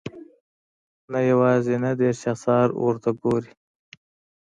نه یوازې نهه دېرش اثار ورته ګوري.